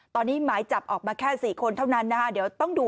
ตอนนี้หมายจับออกมาแค่๔คนเท่านั้นนะคะเดี๋ยวต้องดู